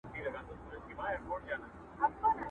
چاویل چي چوروندک د وازګو ډک دی.!